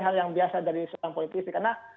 hal yang biasa dari seorang politisi karena